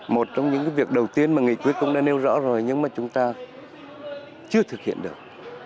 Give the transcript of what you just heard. một trong những việc đầu tiên mà nghị quyết cũng đã nêu rõ rồi nhưng mà chúng ta chưa thực hiện được